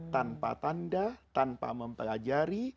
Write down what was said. tanpa tanda tanpa mempelajari